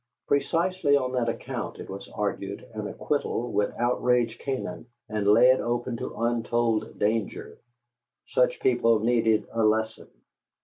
Precisely on that account, it was argued, an acquittal would outrage Canaan and lay it open to untold danger: such people needed a lesson.